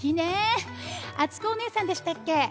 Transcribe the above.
あつこおねえさんでしたっけ？